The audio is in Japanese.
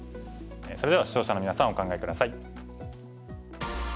それでは視聴者のみなさんお考え下さい。